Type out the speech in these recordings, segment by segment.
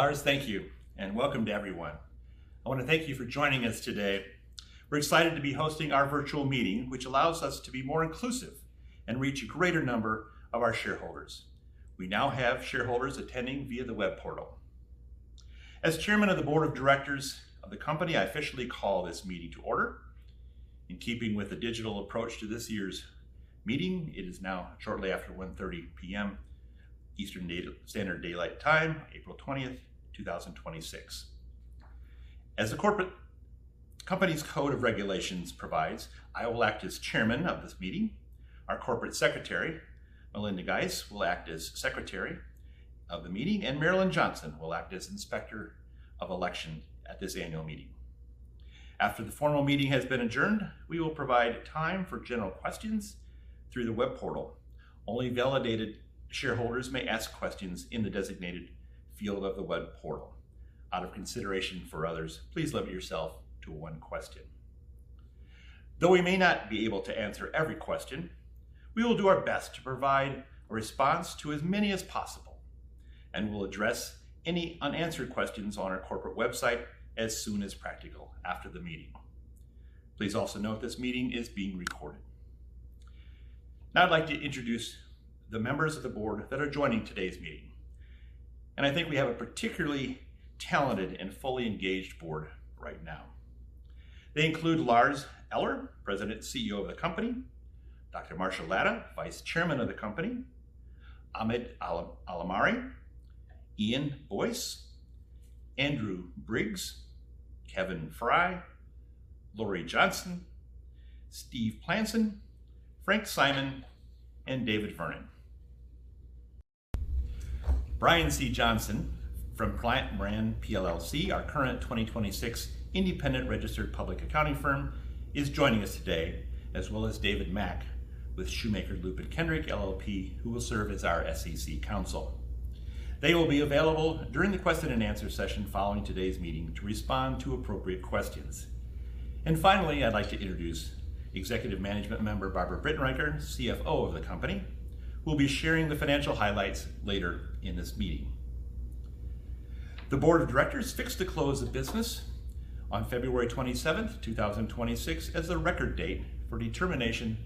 Lars, thank you and welcome to everyone. I want to thank you for joining us today. We're excited to be hosting our virtual meeting, which allows us to be more inclusive and reach a greater number of our shareholders. We now have shareholders attending via the web portal. As Chairman of the Board of Directors of the company, I officially call this meeting to order. In keeping with the digital approach to this year's meeting, it is now shortly after 1:30 P.M. Eastern Standard Daylight Time, April 20th, 2026. As the company's code of regulations provides, I will act as Chairman of this meeting. Our corporate secretary, Melinda Gies, will act as secretary of the meeting, and Marilyn Johnson will act as Inspector of Election at this annual meeting. After the formal meeting has been adjourned, we will provide time for general questions through the web portal. Only validated shareholders may ask questions in the designated field of the web portal. Out of consideration for others, please limit yourself to one question. Though we may not be able to answer every question, we will do our best to provide a response to as many as possible and will address any unanswered questions on our corporate website as soon as practical after the meeting. Please also note this meeting is being recorded. Now I'd like to introduce the members of the board that are joining today's meeting, and I think we have a particularly talented and fully engaged board right now. They include Lars Eller, President and CEO of the company, Dr. Marcia Latta, Vice Chairman of the company, Ahmad Alomari, Ian Boyce, Andrew Briggs, Kevin Frey, Lori Johnston, Steve Planson, Frank Simon, and David Vernon. Brian C. Johnson from Plante Moran, PLLC, our current 2026 independent registered public accounting firm, is joining us today, as well as David Mack with Shumaker, Loop & Kendrick, LLP, who will serve as our SEC counsel. They will be available during the question and answer session following today's meeting to respond to appropriate questions. Finally, I'd like to introduce executive management member Barbara Britenriker CFO of the company, who will be sharing the financial highlights later in this meeting. The board of directors fixed the close of business on February 27th, 2026, as the record date for determination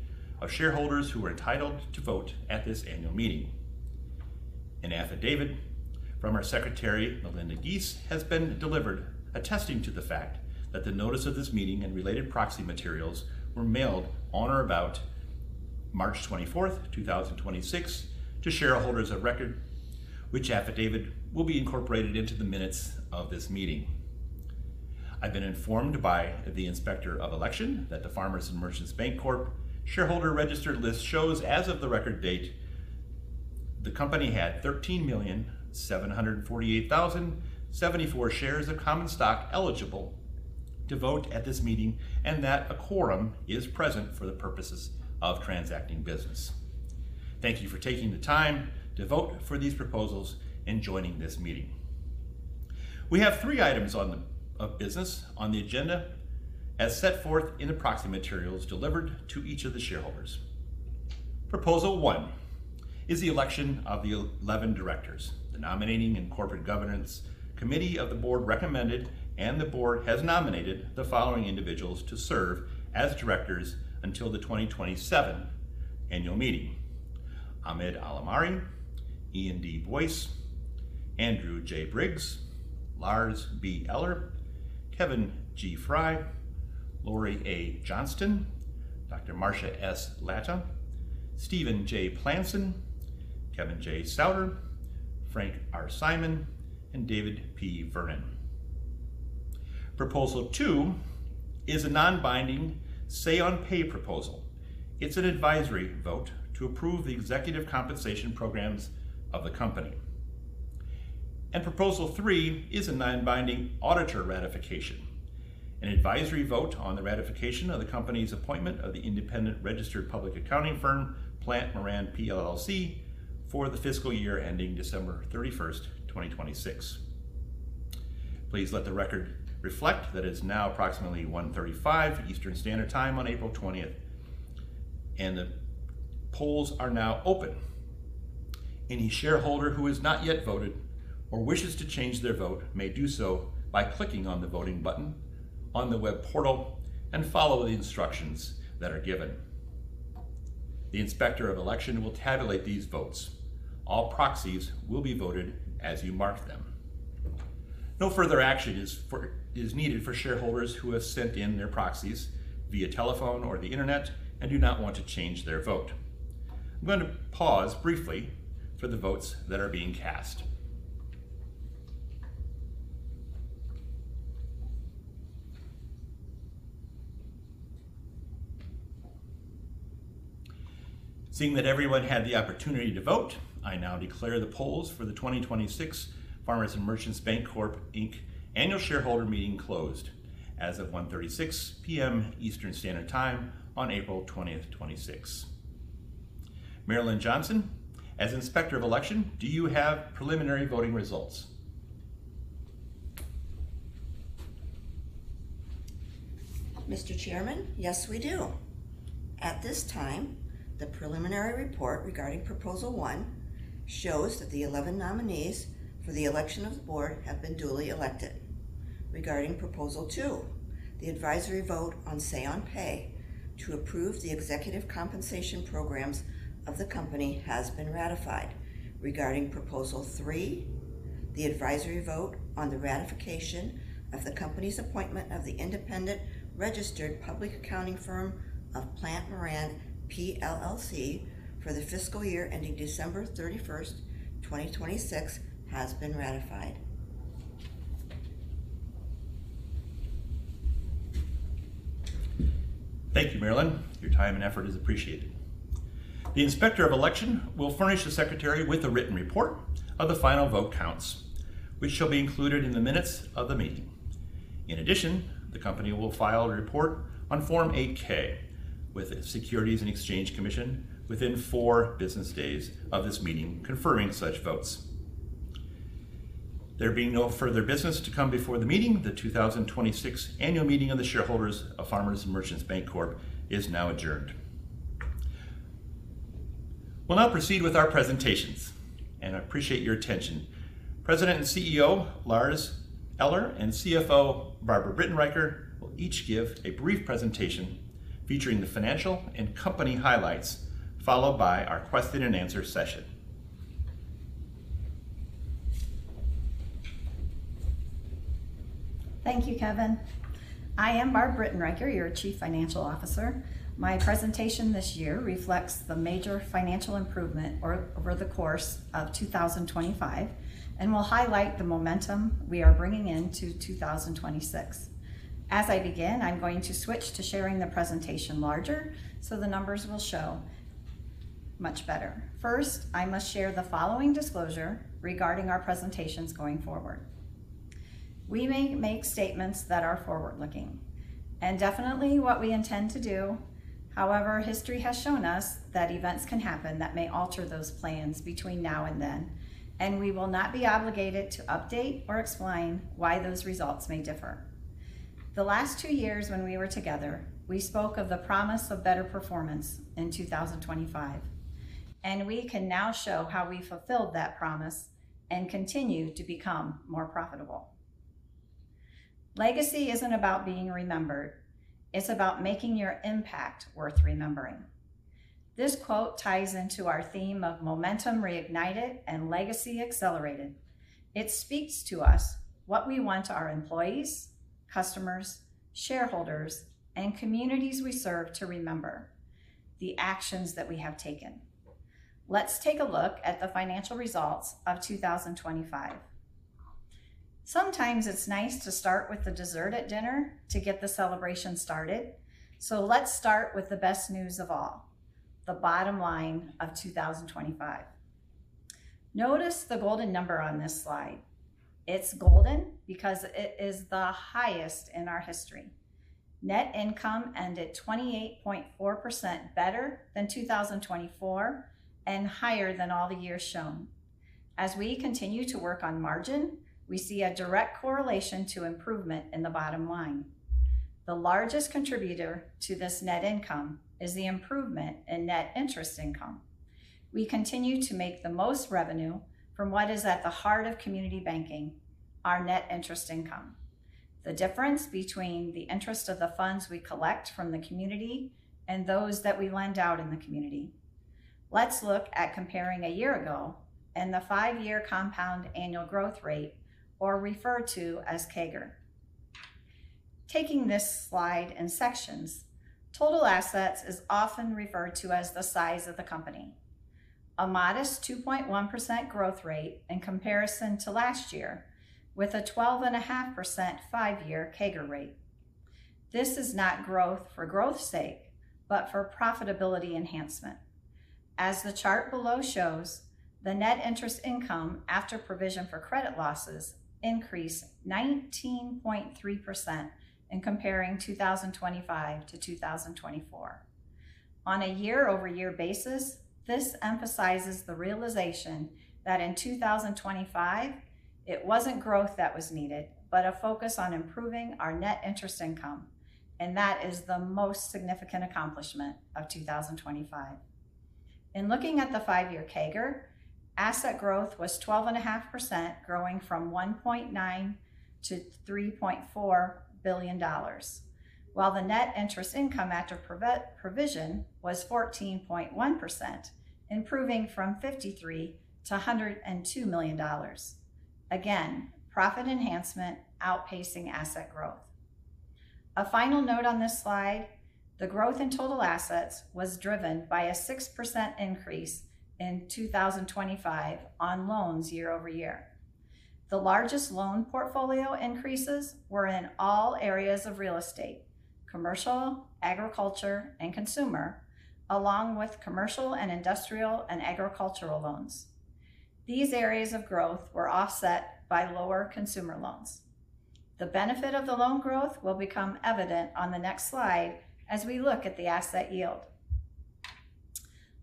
of shareholders who are entitled to vote at this annual meeting. An affidavit from our secretary, Melinda Gies, has been delivered attesting to the fact that the notice of this meeting and related proxy materials were mailed on or about March 24th, 2026, to shareholders of record, which affidavit will be incorporated into the minutes of this meeting. I've been informed by the Inspector of Election that the Farmers & Merchants Bancorp shareholder registered list shows, as of the record date, the company had 13,748,074 shares of common stock eligible to vote at this meeting and that a quorum is present for the purposes of transacting business. Thank you for taking the time to vote for these proposals and joining this meeting. We have three items of business on the agenda as set forth in the proxy materials delivered to each of the shareholders. Proposal one is the election of the 11 directors. The Nominating and Corporate Governance Committee of the board recommended, and the board has nominated the following individuals to serve as directors until the 2027 annual meeting. Ahmad Alomari, Ian D. Boyce, Andrew J. Briggs, Lars B. Eller, Kevin G. Frey, Lori A. Johnston, Dr. Marcia S. Latta, Steven J. Planson, Kevin J. Sauder, Frank R. Simon, and David P. Vernon. Proposal two is a non-binding say on pay proposal. It's an advisory vote to approve the executive compensation programs of the company. Proposal three is a non-binding auditor ratification. An advisory vote on the ratification of the company's appointment of the independent registered public accounting firm, Plante Moran, PLLC, for the fiscal year ending December 31st, 2026. Please let the record reflect that it's now approximately 1:35 P.M. Eastern Standard Time on April 20th, and the polls are now open. Any shareholder who has not yet voted or wishes to change their vote may do so by clicking on the voting button on the web portal and follow the instructions that are given. The Inspector of Election will tabulate these votes. All proxies will be voted as you marked them. No further action is needed for shareholders who have sent in their proxies via telephone or the internet and do not want to change their vote. I'm going to pause briefly for the votes that are being cast. Seeing that everyone had the opportunity to vote, I now declare the polls for the 2026 Farmers & Merchants Bancorp, Inc. Annual Shareholder Meeting closed as of 1:36 P.M. Eastern Standard Time on April 20th, 2026. Marilyn Johnson, as Inspector of Election, do you have preliminary voting results? Mr. Chairman, yes we do. At this time, the preliminary report regarding proposal one shows that the 11 nominees for the election of the board have been duly elected. Regarding proposal two, the advisory vote on say on pay to approve the executive compensation programs of the company has been ratified. Regarding proposal three, the advisory vote on the ratification of the company's appointment of the independent registered public accounting firm of Plante Moran, PLLC for the fiscal year ending December 31st, 2026, has been ratified. Thank you, Marilyn. Your time and effort is appreciated. The Inspector of Election will furnish the secretary with a written report of the final vote counts, which shall be included in the minutes of the meeting. In addition, the company will file a report on Form 8-K with the Securities and Exchange Commission within four business days of this meeting confirming such votes. There being no further business to come before the meeting, the 2026 annual meeting of the shareholders of Farmers & Merchants Bancorp, Inc. is now adjourned. We'll now proceed with our presentations, and I appreciate your attention. President and CEO, Lars Eller, and CFO, Barbara Britenriker, will each give a brief presentation featuring the financial and company highlights, followed by our question and answer session. Thank you, Kevin. I am Barb Britenriker, your Chief Financial Officer. My presentation this year reflects the major financial improvement over the course of 2025 and will highlight the momentum we are bringing into 2026. As I begin, I'm going to switch to sharing the presentation larger so the numbers will show much better. First, I must share the following disclosure regarding our presentations going forward. We may make statements that are forward-looking and definitely what we intend to do. However, history has shown us that events can happen that may alter those plans between now and then, and we will not be obligated to update or explain why those results may differ. The last two years when we were together, we spoke of the promise of better performance in 2025, and we can now show how we fulfilled that promise and continue to become more profitable. Legacy isn't about being remembered. It's about making your impact worth remembering." This quote ties into our theme of momentum reignited and legacy accelerated. It speaks to us what we want our employees, customers, shareholders, and communities we serve to remember the actions that we have taken. Let's take a look at the financial results of 2025. Sometimes it's nice to start with the dessert at dinner to get the celebration started, so let's start with the best news of all, the bottom line of 2025. Notice the golden number on this slide. It's golden because it is the highest in our history. Net income ended 28.4% better than 2024 and higher than all the years shown. As we continue to work on margin, we see a direct correlation to improvement in the bottom line. The largest contributor to this net income is the improvement in net interest income. We continue to make the most revenue from what is at the heart of community banking, our net interest income, the difference between the interest of the funds we collect from the community and those that we lend out in the community. Let's look at comparing a year ago and the five-year compound annual growth rate, or referred to as CAGR. Taking this slide in sections, total assets is often referred to as the size of the company. A modest 2.1% growth rate in comparison to last year with a 12.5% five-year CAGR rate. This is not growth for growth's sake, but for profitability enhancement. As the chart below shows, the net interest income after provision for credit losses increased 19.3% in comparing 2025-2024. On a year-over-year basis, this emphasizes the realization that in 2025, it wasn't growth that was needed, but a focus on improving our net interest income, and that is the most significant accomplishment of 2025. In looking at the five-year CAGR, asset growth was 12.5%, growing from $1.9 billion-$3.4 billion. While the net interest income after provision was 14.1%, improving from $53 million-$102 million. Again, profit enhancement outpacing asset growth. A final note on this slide, the growth in total assets was driven by a 6% increase in 2025 on loans year over year. The largest loan portfolio increases were in all areas of real estate, commercial, agriculture, and consumer, along with commercial and industrial and agricultural loans. These areas of growth were offset by lower consumer loans. The benefit of the loan growth will become evident on the next slide as we look at the asset yield.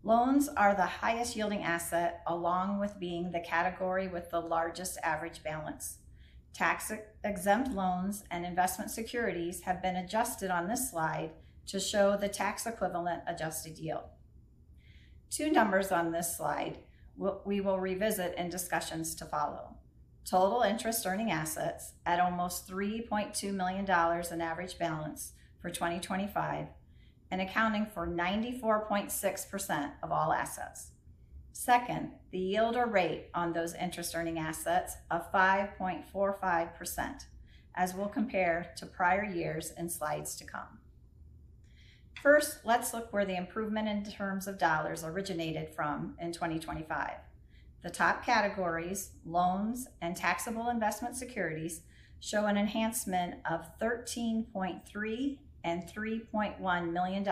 Loans are the highest yielding asset, along with being the category with the largest average balance. Tax-exempt loans and investment securities have been adjusted on this slide to show the tax-equivalent adjusted yield. Two numbers on this slide we will revisit in discussions to follow. Total interest-earning assets at almost $3.2 million in average balance for 2025, and accounting for 94.6% of all assets. Second, the yield or rate on those interest-earning assets of 5.45%, as we'll compare to prior years and slides to come. First, let's look where the improvement in terms of dollars originated from in 2025. The top categories, loans and taxable investment securities, show an enhancement of $13.3 and $3.1 million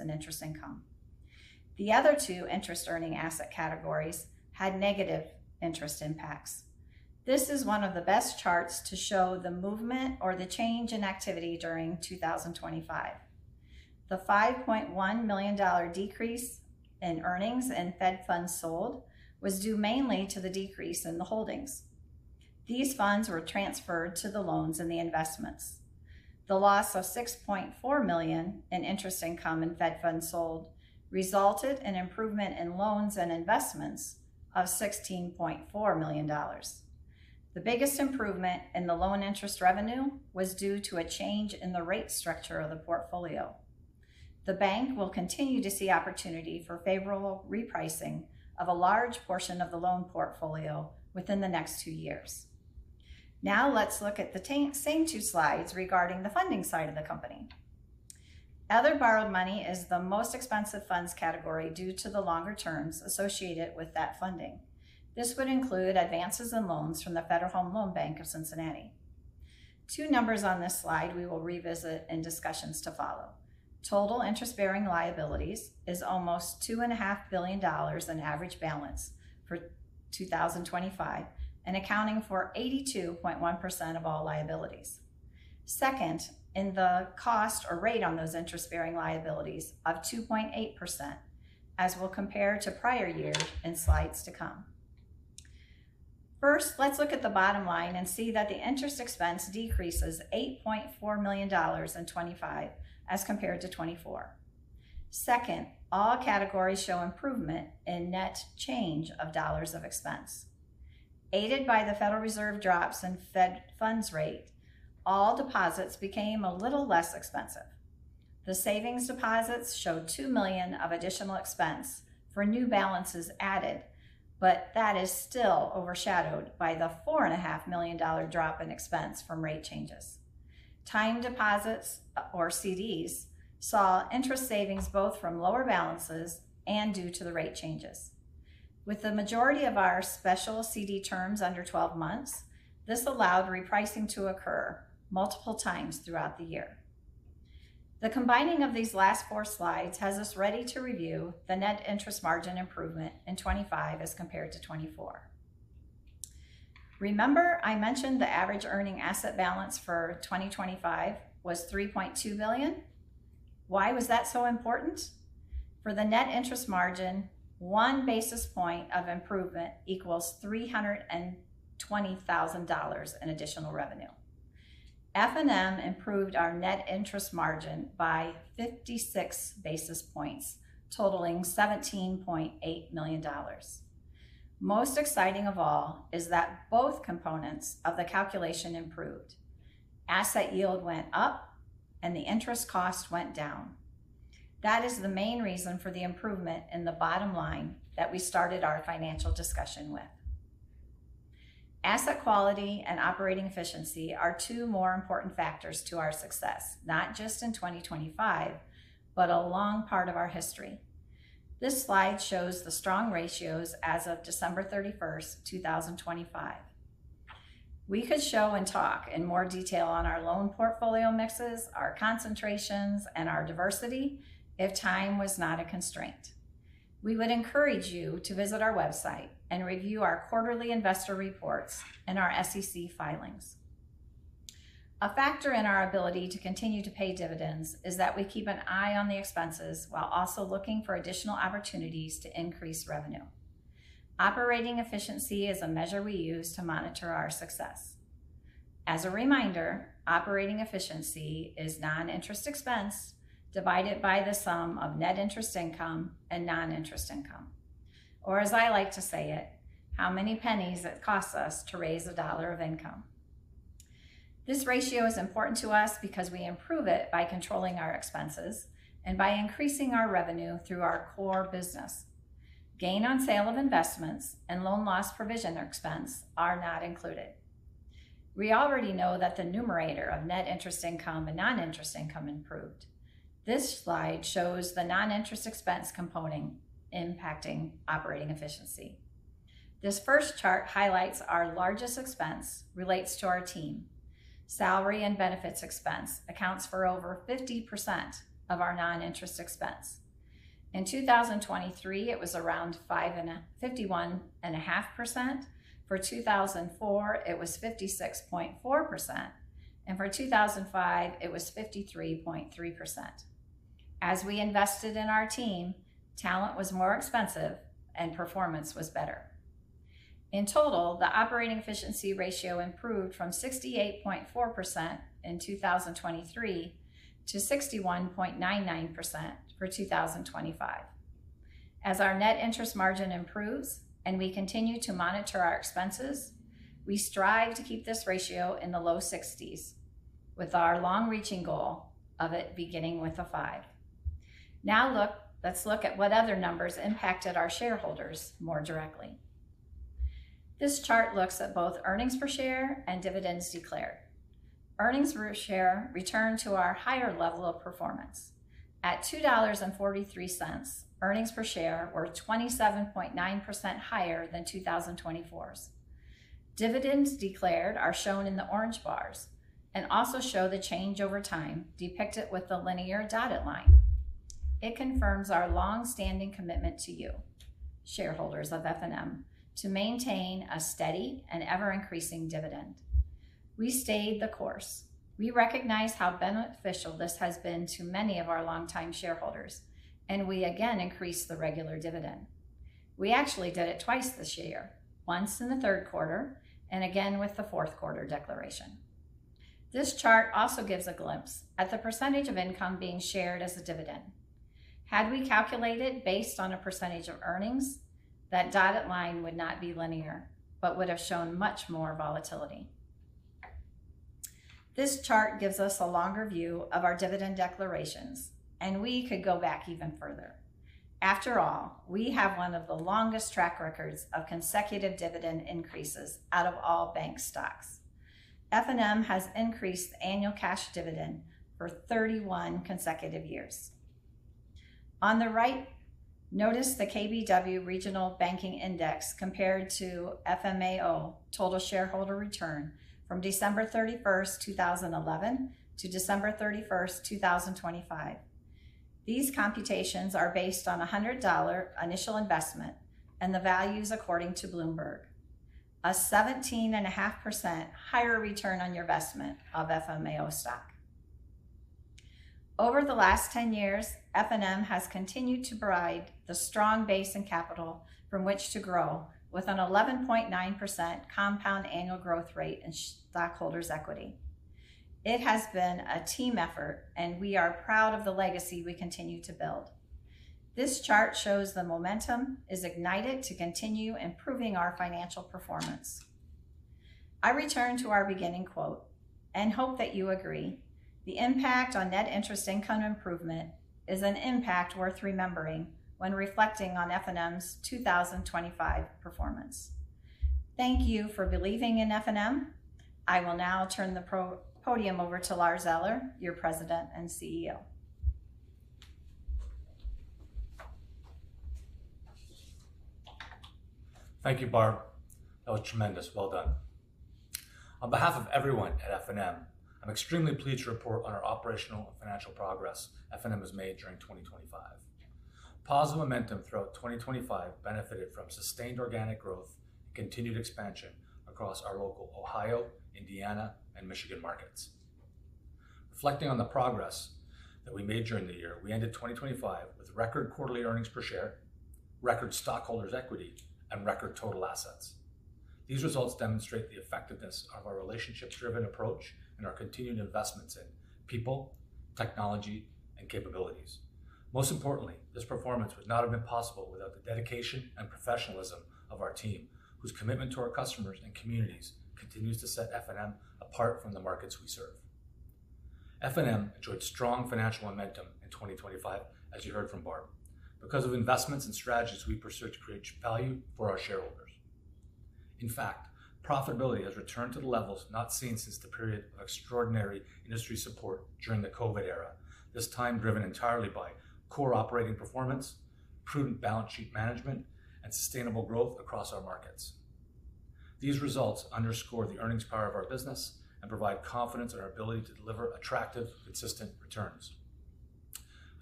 in interest income. The other two interest earning asset categories had negative interest impacts. This is one of the best charts to show the movement or the change in activity during 2025. The $5.1 million decrease in earnings in Fed funds sold was due mainly to the decrease in the holdings. These funds were transferred to the loans and the investments. The loss of $6.4 million in interest income and Fed funds sold resulted in improvement in loans and investments of $16.4 million. The biggest improvement in the loan interest revenue was due to a change in the rate structure of the portfolio. The bank will continue to see opportunity for favorable repricing of a large portion of the loan portfolio within the next two years. Now, let's look at the same two slides regarding the funding side of the company. Other borrowed money is the most expensive funds category due to the longer terms associated with that funding. This would include advances and loans from the Federal Home Loan Bank of Cincinnati. Two numbers on this slide we will revisit in discussions to follow. Total interest-bearing liabilities is almost $2.5 billion in average balance for 2025, and accounting for 82.1% of all liabilities. Second, in the cost or rate on those interest-bearing liabilities of 2.8%, as we'll compare to prior year in slides to come. First, let's look at the bottom line and see that the interest expense decreases $8.4 million in 2025 as compared to 2024. Second, all categories show improvement in net change of dollars of expense. Aided by the Federal Reserve drops in Fed funds rate, all deposits became a little less expensive. The savings deposits show $2 million of additional expense for new balances added, but that is still overshadowed by the $4.5 million drop in expense from rate changes. Time deposits or CDs saw interest savings both from lower balances and due to the rate changes. With the majority of our special CD terms under 12 months, this allowed repricing to occur multiple times throughout the year. The combining of these last four slides has us ready to review the net interest margin improvement in 2025 as compared to 2024. Remember I mentioned the average earning asset balance for 2025 was $3.2 million? Why was that so important? For the net interest margin, one basis point of improvement equals $320,000 in additional revenue. F&M improved our net interest margin by 56 basis points, totaling $17.8 million. Most exciting of all is that both components of the calculation improved. Asset yield went up and the interest cost went down. That is the main reason for the improvement in the bottom line that we started our financial discussion with. Asset quality and operating efficiency are two more important factors to our success, not just in 2025, but a long part of our history. This slide shows the strong ratios as of December 31st, 2025. We could show and talk in more detail on our loan portfolio mixes, our concentrations, and our diversity if time was not a constraint. We would encourage you to visit our website and review our quarterly investor reports and our SEC filings. A factor in our ability to continue to pay dividends is that we keep an eye on the expenses while also looking for additional opportunities to increase revenue. Operating efficiency is a measure we use to monitor our success. As a reminder, operating efficiency is non-interest expense divided by the sum of net interest income and non-interest income. Or as I like to say it, how many pennies it costs us to raise a dollar of income. This ratio is important to us because we improve it by controlling our expenses and by increasing our revenue through our core business. Gain on sale of investments and loan loss provision expense are not included. We already know that the numerator of net interest income and non-interest income improved. This slide shows the non-interest expense component impacting operating efficiency. This first chart highlights our largest expense relates to our team. Salary and benefits expense accounts for over 50% of our non-interest expense. In 2023, it was around 51.5%. For 2004, it was 56.4%, and for 2005, it was 53.3%. As we invested in our team, talent was more expensive and performance was better. In total, the operating efficiency ratio improved from 68.4% in 2023 to 61.99% for 2025. As our net interest margin improves and we continue to monitor our expenses, we strive to keep this ratio in the low 60s with our long-reaching goal of it beginning with a five. Now let's look at what other numbers impacted our shareholders more directly. This chart looks at both earnings per share and dividends declared. Earnings per share return to our higher level of performance. At $2.43, earnings per share were 27.9% higher than 2024's. Dividends declared are shown in the orange bars and also show the change over time depicted with the linear dotted line. It confirms our long-standing commitment to you, shareholders of F&M, to maintain a steady and ever-increasing dividend. We stayed the course. We recognize how beneficial this has been to many of our longtime shareholders, and we again increased the regular dividend. We actually did it twice this year, once in the Q3, and again with the Q4 declaration. This chart also gives a glimpse at the percentage of income being shared as a dividend. Had we calculated based on a percentage of earnings, that dotted line would not be linear, but would have shown much more volatility. This chart gives us a longer view of our dividend declarations, and we could go back even further. After all, we have one of the longest track records of consecutive dividend increases out of all bank stocks. F&M has increased the annual cash dividend for 31 consecutive years. On the right, notice the KBW Regional Banking Index compared to FMAO total shareholder return from December 31st, 2011, to December 31st, 2025. These computations are based on $100 initial investment and the values according to Bloomberg. A 17.5% higher return on your investment of FMAO stock. Over the last 10 years, F&M has continued to provide the strong base and capital from which to grow with an 11.9% compound annual growth rate in stockholders' equity. It has been a team effort, and we are proud of the legacy we continue to build. This chart shows the momentum is ignited to continue improving our financial performance. I return to our beginning quote and hope that you agree the impact on net interest income improvement is an impact worth remembering when reflecting on F&M's 2025 performance. Thank you for believing in F&M. I will now turn the podium over to Lars Eller, your President and CEO. Thank you, Barb. That was tremendous. Well done. On behalf of everyone at F&M, I'm extremely pleased to report on our operational and financial progress F&M has made during 2025. Positive momentum throughout 2025 benefited from sustained organic growth and continued expansion across our local Ohio, Indiana, and Michigan markets. Reflecting on the progress that we made during the year, we ended 2025 with record quarterly earnings per share, record stockholders' equity, and record total assets. These results demonstrate the effectiveness of our relationships-driven approach and our continued investments in people, technology, and capabilities. Most importantly, this performance would not have been possible without the dedication and professionalism of our team, whose commitment to our customers and communities continues to set F&M apart from the markets we serve. F&M enjoyed strong financial momentum in 2025, as you heard from Barb. Because of investments and strategies we pursued to create value for our shareholders. In fact, profitability has returned to the levels not seen since the period of extraordinary industry support during the COVID era. This time driven entirely by core operating performance, prudent balance sheet management, and sustainable growth across our markets. These results underscore the earnings power of our business and provide confidence in our ability to deliver attractive, consistent returns.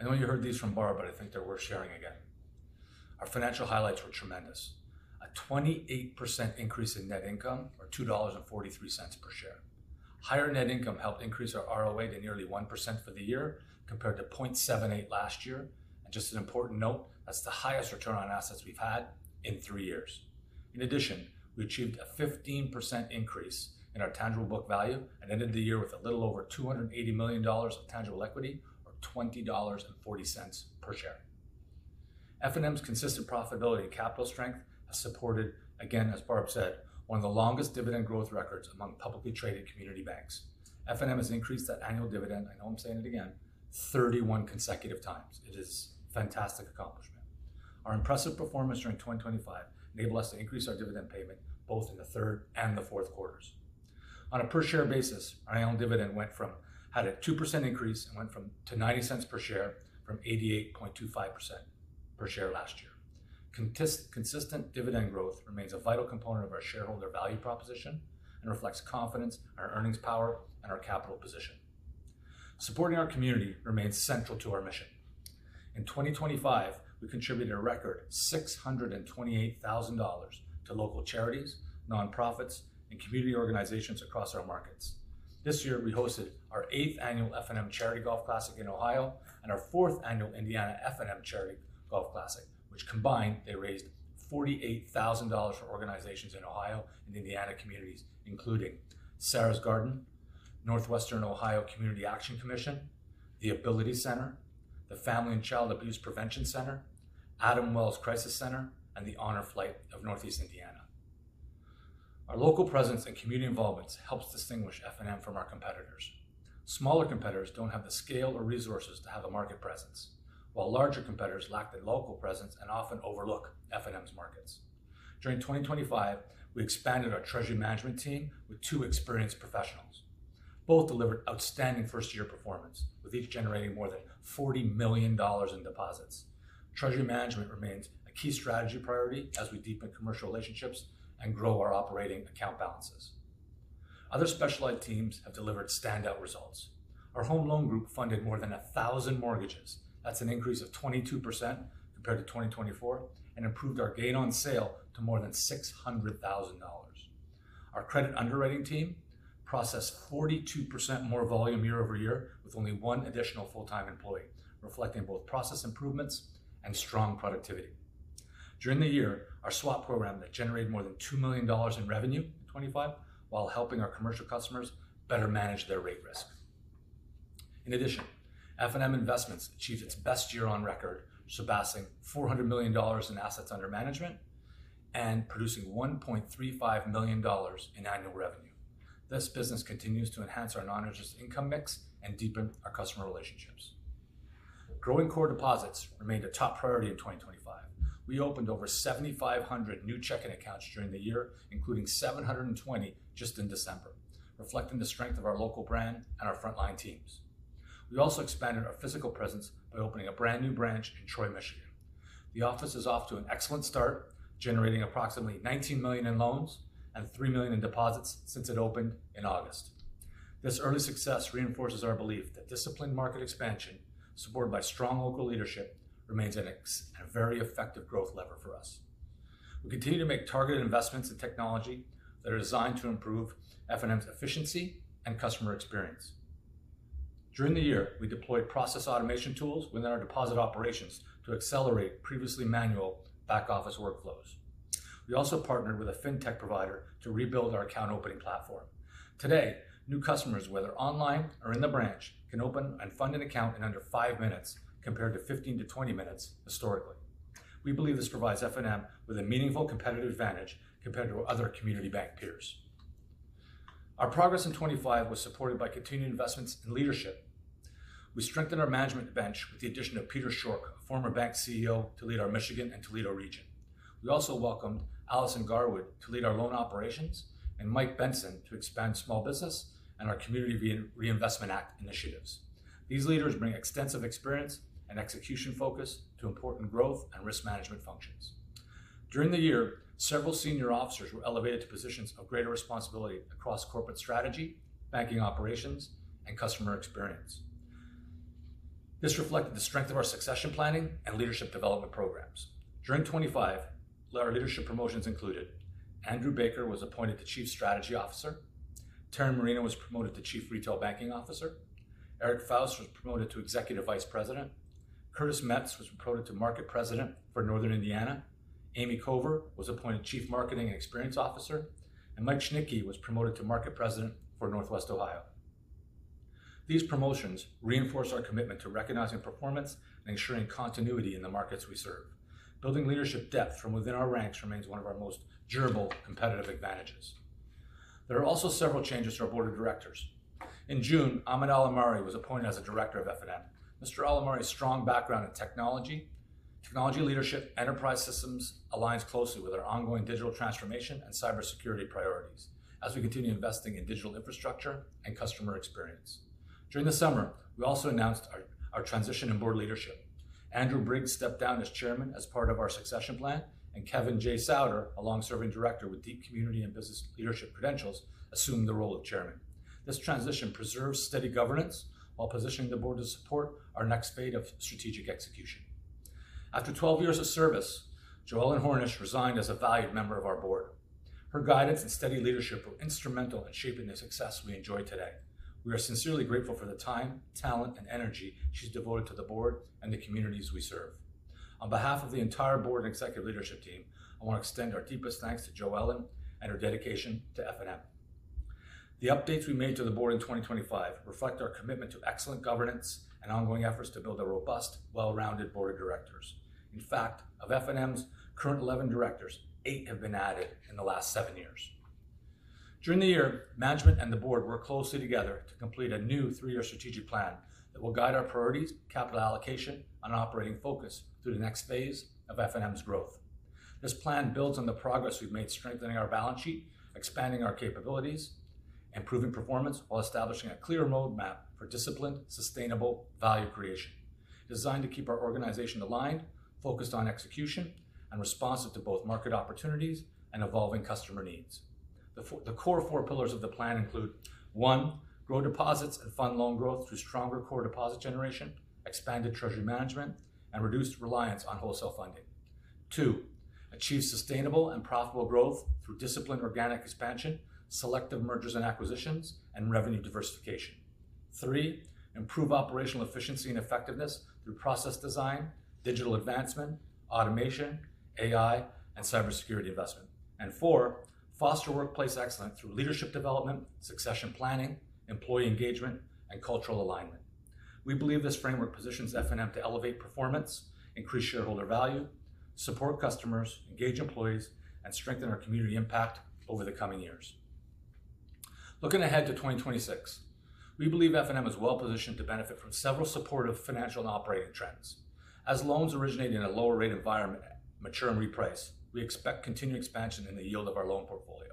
I know you heard these from Barb, but I think they're worth sharing again. Our financial highlights were tremendous. A 28% increase in net income or $2.43 per share. Higher net income helped increase our ROA to nearly 1% for the year, compared to 0.78 last year. Just an important note, that's the highest return on assets we've had in three years. In addition, we achieved a 15% increase in our tangible book value and ended the year with a little over $280 million of tangible equity or $20.40 per share. F&M's consistent profitability and capital strength has supported, again, as Barb said, one of the longest dividend growth records among publicly traded community banks. F&M has increased the annual dividend, I know I'm saying it again, 31 consecutive times. It is a fantastic accomplishment. Our impressive performance during 2025 enabled us to increase our dividend payment both in the third and the Q4s. On a per share basis, our annual dividend had a 2% increase and went from $0.8825 to $0.90 per share last year. Consistent dividend growth remains a vital component of our shareholder value proposition and reflects confidence in our earnings power and our capital position. Supporting our community remains central to our mission. In 2025, we contributed a record $628,000 to local charities, nonprofits, and community organizations across our markets. This year, we hosted our eighth annual F&M Charity Golf Classic in Ohio and our fourth annual Indiana F&M Charity Golf Classic, which combined, they raised $48,000 for organizations in Ohio and Indiana communities, including Sara's Garden, Northwestern Ohio Community Action Commission, the Ability Center, the Family and Child Abuse Prevention Center, Adams Wells Crisis Center, and the Honor Flight Northeast Indiana. Our local presence and community involvement helps distinguish F&M from our competitors. Smaller competitors don't have the scale or resources to have a market presence, while larger competitors lack the local presence and often overlook F&M's markets. During 2025, we expanded our treasury management team with two experienced professionals. Both delivered outstanding first-year performance, with each generating more than $40 million in deposits. Treasury management remains a key strategy priority as we deepen commercial relationships and grow our operating account balances. Other specialized teams have delivered standout results. Our home loan group funded more than 1,000 mortgages. That's an increase of 22% compared to 2024 and improved our gain on sale to more than $600,000. Our credit underwriting team processed 42% more volume year-over-year with only one additional full-time employee, reflecting both process improvements and strong productivity. During the year, our swap program generated more than $2 million in revenue in 2025 while helping our commercial customers better manage their rate risk. In addition, F&M Investments achieved its best year on record, surpassing $400 million in assets under management and producing $1.35 million in annual revenue. This business continues to enhance our non-interest income mix and deepen our customer relationships. Growing core deposits remained a top priority in 2025. We opened over 7,500 new checking accounts during the year, including 720 just in December, reflecting the strength of our local brand and our frontline teams. We also expanded our physical presence by opening a brand-new branch in Troy, Michigan. The office is off to an excellent start, generating approximately $19 million in loans and $3 million in deposits since it opened in August. This early success reinforces our belief that disciplined market expansion, supported by strong local leadership, remains a very effective growth lever for us. We continue to make targeted investments in technology that are designed to improve F&M's efficiency and customer experience. During the year, we deployed process automation tools within our deposit operations to accelerate previously manual back-office workflows. We also partnered with a fintech provider to rebuild our account opening platform. Today, new customers, whether online or in the branch, can open and fund an account in under five minutes compared to 15-20 minutes historically. We believe this provides F&M with a meaningful competitive advantage compared to our other community bank peers. Our progress in 2025 was supported by continued investments in leadership. We strengthened our management bench with the addition of Peter Schork, a former bank CEO, to lead our Michigan and Toledo region. We also welcomed Allison Garwood to lead our loan operations and Mike Benson to expand small business and our Community Reinvestment Act initiatives. These leaders bring extensive experience and execution focus to important growth and risk management functions. During the year, several senior officers were elevated to positions of greater responsibility across corporate strategy, banking operations, and customer experience. This reflected the strength of our succession planning and leadership development programs. During 2025, our leadership promotions included Andrew Baker was appointed the Chief Strategy Officer. Taryn Marino was promoted to Chief Retail Banking Officer. Eric Foust was promoted to Executive Vice President. Curtis Metz was promoted to Market President for Northern Indiana. Amy Cover was appointed Chief Marketing and Experience Officer, and Mike Schnitkey was promoted to Market President for Northwest Ohio. These promotions reinforce our commitment to recognizing performance and ensuring continuity in the markets we serve. Building leadership depth from within our ranks remains one of our most durable competitive advantages. There are also several changes to our board of directors. In June, Ahmad Alomari was appointed as a director of F&M. Mr. Alomari's strong background in technology leadership, enterprise systems aligns closely with our ongoing digital transformation and cybersecurity priorities as we continue investing in digital infrastructure and customer experience. During the summer, we also announced our transition in board leadership. Andrew Briggs stepped down as chairman as part of our succession plan, and Kevin J. Sauder, a long-serving director with deep community and business leadership credentials, assumed the role of chairman. This transition preserves steady governance while positioning the board to support our next phase of strategic execution. After 12 years of service, Jo Ellen Hornish resigned as a valued member of our board. Her guidance and steady leadership were instrumental in shaping the success we enjoy today. We are sincerely grateful for the time, talent, and energy she's devoted to the board and the communities we serve. On behalf of the entire board and executive leadership team, I want to extend our deepest thanks to Jo Ellen and her dedication to F&M. The updates we made to the board in 2025 reflect our commitment to excellent governance and ongoing efforts to build a robust, well-rounded board of directors. In fact, of F&M's current 11 directors, eight have been added in the last seven years. During the year, management and the board worked closely together to complete a new three-year strategic plan that will guide our priorities, capital allocation, and operating focus through the next phase of F&M's growth. This plan builds on the progress we've made strengthening our balance sheet, expanding our capabilities, improving performance while establishing a clear roadmap for disciplined, sustainable value creation designed to keep our organization aligned, focused on execution, and responsive to both market opportunities and evolving customer needs. The core four pillars of the plan include one, grow deposits and fund loan growth through stronger core deposit generation, expanded treasury management, and reduced reliance on wholesale funding. Two, achieve sustainable and profitable growth through disciplined organic expansion, selective mergers and acquisitions, and revenue diversification. Three, improve operational efficiency and effectiveness through process design, digital advancement, automation, AI, and cybersecurity investment. Four, foster workplace excellence through leadership development, succession planning, employee engagement, and cultural alignment. We believe this framework positions F&M to elevate performance, increase shareholder value, support customers, engage employees, and strengthen our community impact over the coming years. Looking ahead to 2026, we believe F&M is well positioned to benefit from several supportive financial and operating trends. As loans originate in a lower rate environment mature and reprice, we expect continued expansion in the yield of our loan portfolio.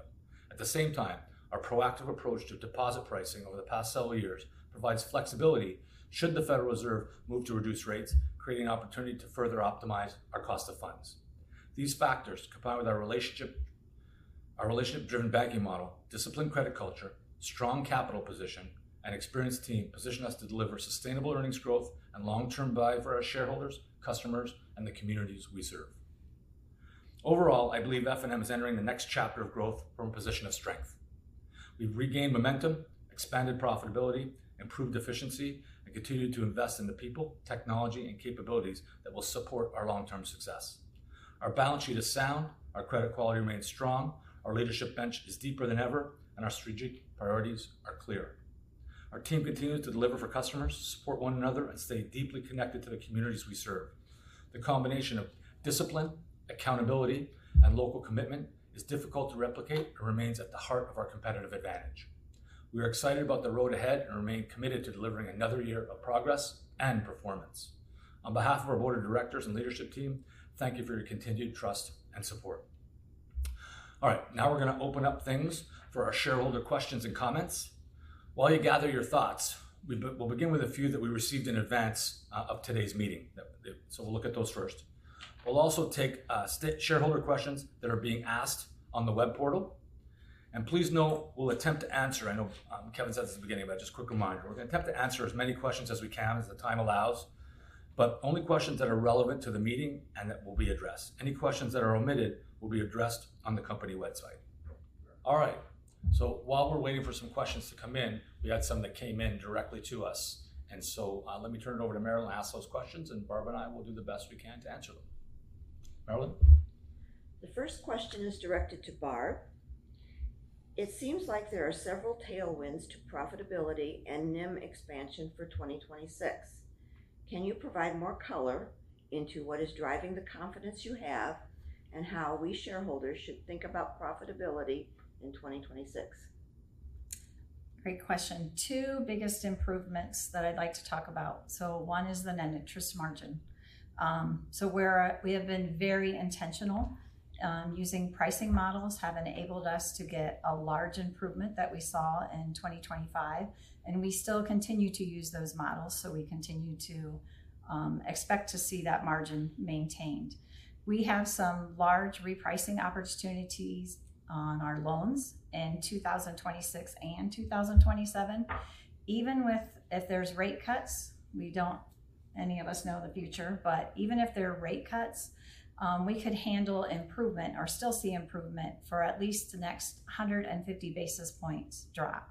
At the same time, our proactive approach to deposit pricing over the past several years provides flexibility should the Federal Reserve move to reduce rates, creating opportunity to further optimize our cost of funds. These factors, combined with our relationship-driven banking model, disciplined credit culture, strong capital position, and experienced team, position us to deliver sustainable earnings growth and long-term value for our shareholders, customers, and the communities we serve. Overall, I believe F&M is entering the next chapter of growth from a position of strength. We've regained momentum, expanded profitability, improved efficiency, and continued to invest in the people, technology, and capabilities that will support our long-term success. Our balance sheet is sound, our credit quality remains strong, our leadership bench is deeper than ever, and our strategic priorities are clear. Our team continues to deliver for customers, support one another, and stay deeply connected to the communities we serve. The combination of discipline, accountability, and local commitment is difficult to replicate and remains at the heart of our competitive advantage. We are excited about the road ahead and remain committed to delivering another year of progress and performance. On behalf of our board of directors and leadership team, thank you for your continued trust and support. All right. Now we're going to open up things for our shareholder questions and comments. While you gather your thoughts, we'll begin with a few that we received in advance of today's meeting. We'll look at those first. We'll also take shareholder questions that are being asked on the web portal, and please note we'll attempt to answer. I know Kevin said this at the beginning, but just a quick reminder, we're going to attempt to answer as many questions as we can, as the time allows, but only questions that are relevant to the meeting and that will be addressed. Any questions that are omitted will be addressed on the company website. All right. While we're waiting for some questions to come in, we got some that came in directly to us, and so let me turn it over to Marilyn to ask those questions, and Barb and I will do the best we can to answer them. Marilyn? The first question is directed to Barb. It seems like there are several tailwinds to profitability and NIM expansion for 2026. Can you provide more color into what is driving the confidence you have and how we shareholders should think about profitability in 2026? Great question. Two biggest improvements that I'd like to talk about. One is the net interest margin. We have been very intentional. Using pricing models have enabled us to get a large improvement that we saw in 2025, and we still continue to use those models. We continue to expect to see that margin maintained. We have some large repricing opportunities on our loans in 2026 and 2027. Even if there's rate cuts, we don't, any of us, know the future, but even if there are rate cuts, we could handle improvement or still see improvement for at least the next 150 basis points drop.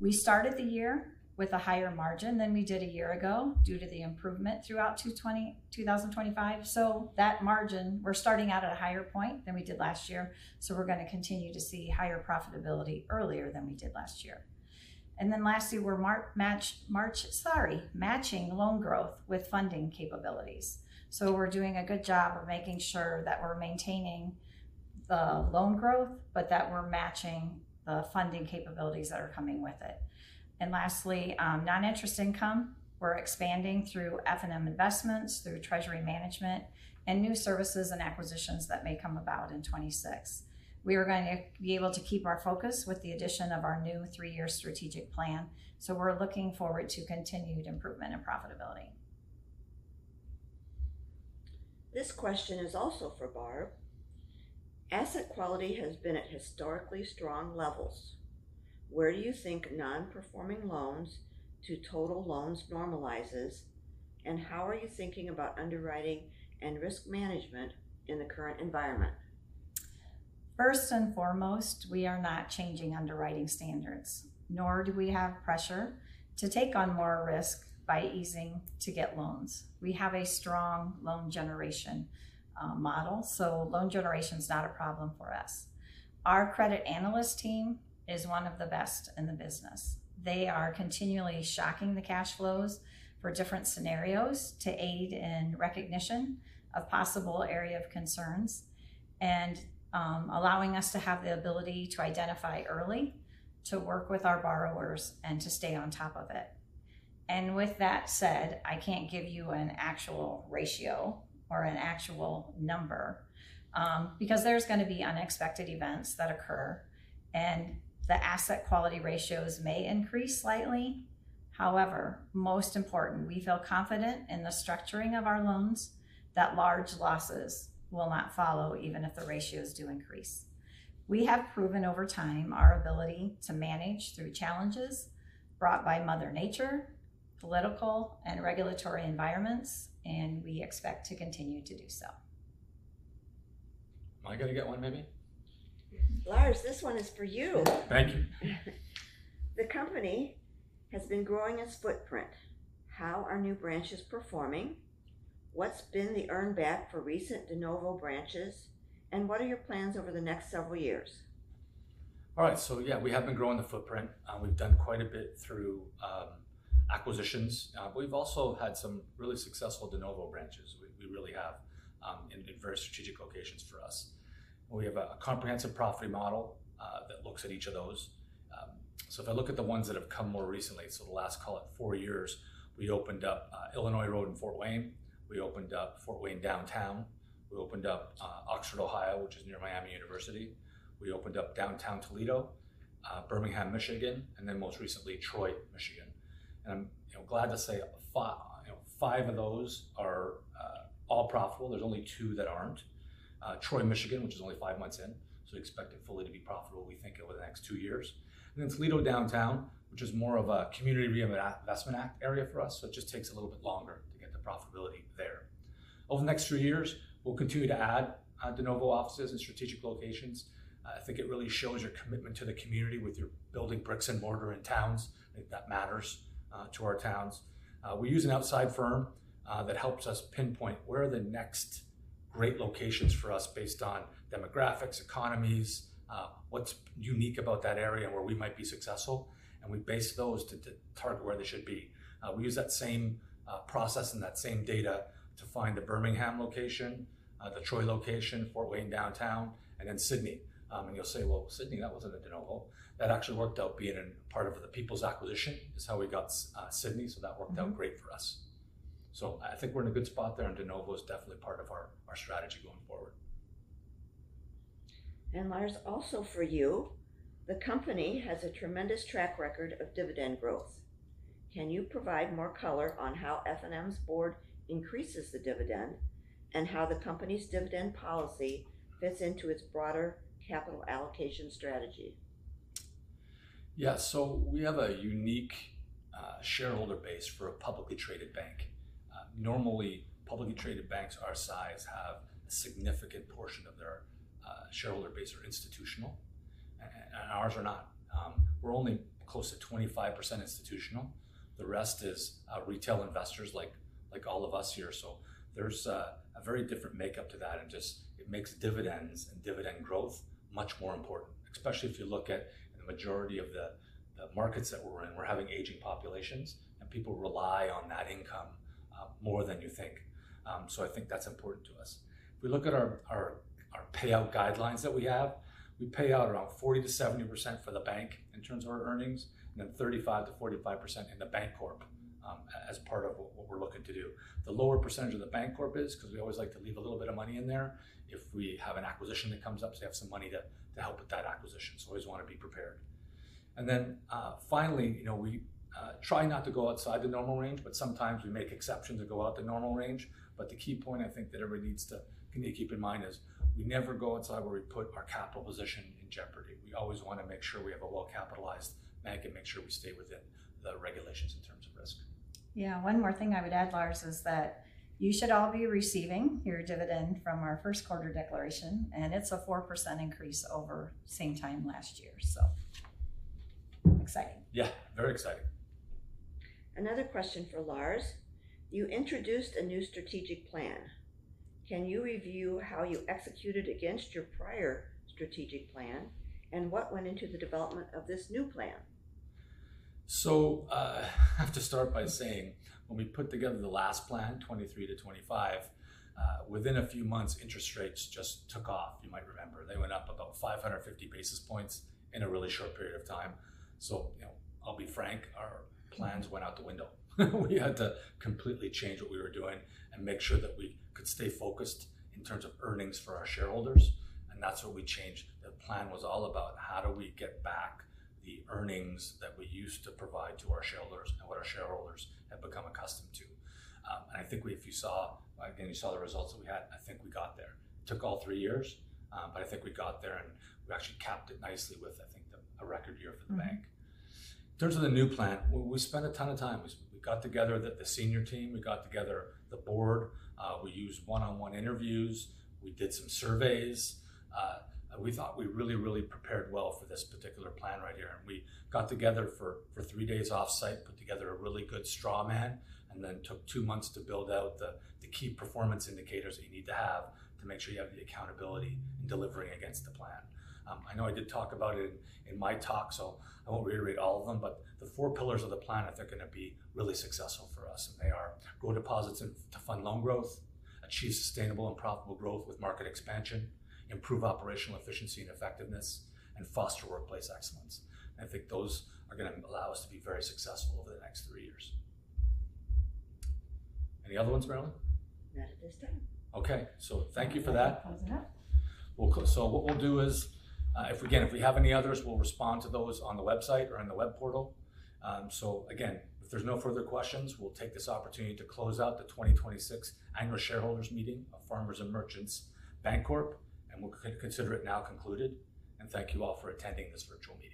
We started the year with a higher margin than we did a year ago due to the improvement throughout 2025. That margin, we're starting out at a higher point than we did last year. We're going to continue to see higher profitability earlier than we did last year. Lastly, we're matching loan growth with funding capabilities. We're doing a good job of making sure that we're maintaining the loan growth, but that we're matching the funding capabilities that are coming with it. Lastly, non-interest income. We're expanding through F&M Investments, through treasury management, and new services and acquisitions that may come about in 2026. We are going to be able to keep our focus with the addition of our new three-year strategic plan. We're looking forward to continued improvement and profitability. This question is also for Barb. Asset quality has been at historically strong levels. Where do you think non-performing loans to total loans normalizes, and how are you thinking about underwriting and risk management in the current environment? First and foremost, we are not changing underwriting standards, nor do we have pressure to take on more risk by easing to get loans. We have a strong loan generation model, so loan generation is not a problem for us. Our credit analyst team is one of the best in the business. They are continually shocking the cash flows for different scenarios to aid in recognition of possible areas of concern and allowing us to have the ability to identify early, to work with our borrowers, and to stay on top of it. With that said, I can't give you an actual ratio or an actual number because there's going to be unexpected events that occur, and the asset quality ratios may increase slightly. However, most important, we feel confident in the structuring of our loans that large losses will not follow even if the ratios do increase. We have proven over time our ability to manage through challenges brought by mother nature, political, and regulatory environments, and we expect to continue to do so. Am I going to get one maybe? Lars, this one is for you. Thank you. The company has been growing its footprint. How are new branches performing? What's been the earn back for recent de novo branches, and what are your plans over the next several years? All right. Yeah, we have been growing the footprint. We've done quite a bit through acquisitions. We've also had some really successful de novo branches. We really have, in very strategic locations for us. We have a comprehensive profit model that looks at each of those. If I look at the ones that have come more recently, the last, call it four years, we opened up Illinois Road in Fort Wayne. We opened up Fort Wayne downtown. We opened up Oxford, Ohio, which is near Miami University. We opened up downtown Toledo, Birmingham, Michigan, and then most recently, Troy, Michigan. I'm glad to say five of those are all profitable. There's only two that aren't. Troy, Michigan, which is only five months in, so we expect it fully to be profitable we think over the next two years. Toledo downtown, which is more of a Community Reinvestment Act area for us, so it just takes a little bit longer to get the profitability there. Over the next few years, we'll continue to add de novo offices in strategic locations. I think it really shows your commitment to the community with your building bricks and mortar in towns. I think that matters to our towns. We use an outside firm that helps us pinpoint where the next great locations for us based on demographics, economics, what's unique about that area and where we might be successful, and we base those to target where they should be. We use that same process and that same data to find a Birmingham location, the Troy location, Fort Wayne downtown, and then Sidney. You'll say, "Well, Sidney, that wasn't a de novo." That actually worked out being a part of the Peoples acquisition is how we got Sidney, so that worked out great for us. I think we're in a good spot there, and de novo is definitely part of our strategy going forward. Lars, also for you, the company has a tremendous track record of dividend growth. Can you provide more color on how F&M's board increases the dividend and how the company's dividend policy fits into its broader capital allocation strategy? Yeah. We have a unique shareholder base for a publicly traded bank. Normally, publicly traded banks our size have a significant portion of their shareholder base are institutional, and ours are not. We're only close to 25% institutional. The rest is retail investors like all of us here. There's a very different makeup to that, and just it makes dividends and dividend growth much more important, especially if you look at the majority of the markets that we're in. We're having aging populations, and people rely on that income more than you think. I think that's important to us. If we look at our payout guidelines that we have, we pay out around 40%-70% for the bank in terms of our earnings, and then 35%-45% in the Bancorp as part of what we're looking to do. The lower percentage of the Bancorp is because we always like to leave a little bit of money in there if we have an acquisition that comes up, so you have some money to help with that acquisition. Always want to be prepared. Finally, we try not to go outside the normal range, but sometimes we make exceptions and go outside the normal range. The key point I think that everybody needs to keep in mind is we never go outside where we put our capital position in jeopardy. We always want to make sure we have a well-capitalized bank and make sure we stay within the regulations in terms of risk. Yeah. One more thing I would add, Lars, is that you should all be receiving your dividend from our Q1 declaration, and it's a 4% increase over same time last year. Exciting. Yeah, very exciting. Another question for Lars. You introduced a new strategic plan. Can you review how you executed against your prior strategic plan, and what went into the development of this new plan? I have to start by saying when we put together the last plan, 2023 to 2025, within a few months, interest rates just took off. You might remember. They went up about 550 basis points in a really short period of time. I'll be frank, our plans went out the window. We had to completely change what we were doing and make sure that we could stay focused in terms of earnings for our shareholders, and that's what we changed. The plan was all about how do we get back the earnings that we used to provide to our shareholders and what our shareholders have become accustomed to. I think if you saw. Again, you saw the results that we had. I think we got there. took all three years, but I think we got there, and we actually capped it nicely with, I think, a record year for the bank. In terms of the new plan, we spent a ton of time. We got together the senior team. We got together the board. We used one-on-one interviews. We did some surveys. We thought we really, really prepared well for this particular plan right here, and we got together for three days off-site, put together a really good strawman, and then took two months to build out the key performance indicators that you need to have to make sure you have the accountability in delivering against the plan. I know I did talk about it in my talk, so I won't reiterate all of them, but the four pillars of the plan, if they're going to be really successful for us, and they are grow deposits and to fund loan growth, achieve sustainable and profitable growth with market expansion, improve operational efficiency and effectiveness, and foster workplace excellence. I think those are going to allow us to be very successful over the next three years. Any other ones, Marilyn? Not at this time. Okay. Thank you for that. Close it out. What we'll do is, if we have any others, we'll respond to those on the website or on the web portal. Again, if there's no further questions, we'll take this opportunity to close out the 2026 Annual Shareholders Meeting of Farmers & Merchants Bancorp, Inc., and we'll consider it now concluded. Thank you all for attending this virtual meeting.